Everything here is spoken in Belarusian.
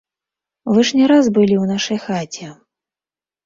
Вы ж не раз былі ў нашай хаце.